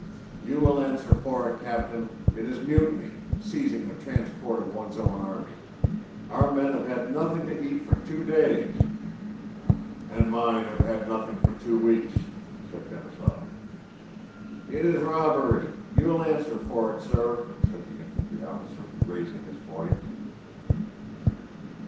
"You will answer for it, Captain. It is mutiny—seizing the transport of one's own army. Our men have had nothing to eat for two days." "And mine have had nothing for two weeks," said Denísov. "It is robbery! You'll answer for it, sir!" said the infantry officer, raising his voice.